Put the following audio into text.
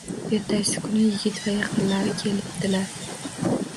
Ertasi kuni yigit va yaqinlari kelibdilar